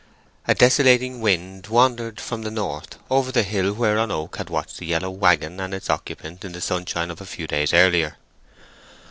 A desolating wind wandered from the north over the hill whereon Oak had watched the yellow waggon and its occupant in the sunshine of a few days earlier.